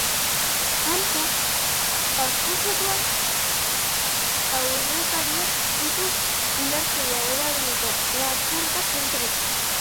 Antza, akusatuak aurrekariak ditu indarkeria erabilita lapurretak egiteagatik.